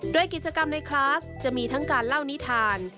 โดยกิจกรรมในคลาสจะมีทั้งการเล่านิทาน